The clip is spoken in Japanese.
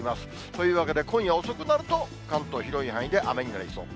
というわけで今夜遅くなると、関東、広い範囲で雨になりそう。